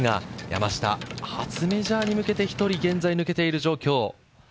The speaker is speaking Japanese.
山下、初メジャーに向けて１人、現在抜けている状況。